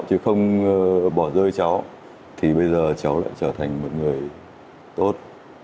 chứ không bỏ rơi cháu thì bây giờ cháu lại trở thành một người tốt